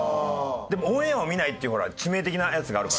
でもオンエアを見ないっていう致命的なやつがあるから。